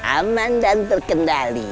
aman dan terkendali